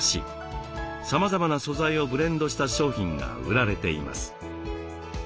さまざまな素材をブレンドした商品が売られています。